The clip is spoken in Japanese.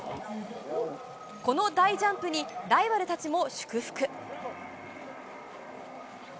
この大ジャンプに、ライバルたちも祝福。